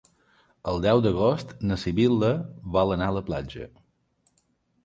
El deu d'agost na Sibil·la vol anar a la platja.